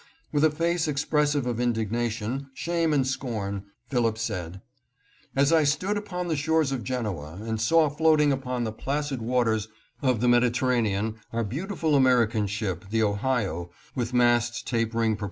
With a face ex pressive of indignation, shame and scorn, Phillips said, " As I stood upon the shores of Genoa, and saw floating upon the placid waters of the Mediterranean our beau tiful American ship, the Ohio, with masts tapering pro AT GENOA.